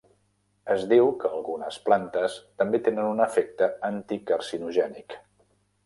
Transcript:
Es diu que algunes plantes també tenen un efecte anticarcinogènic.